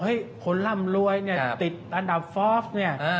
คนร่ำรวยเนี่ยติดอันดับฟอร์ฟเนี่ย